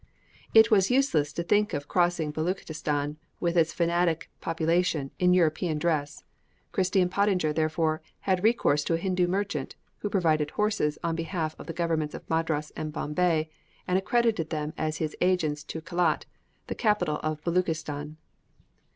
It was useless to think of crossing Beluchistan, with its fanatic population, in European dress. Christie and Pottinger, therefore, had recourse to a Hindu merchant, who provided horses on behalf of the Governments of Madras and Bombay, and accredited them as his agents to Kelat, the capital of Beluchistan.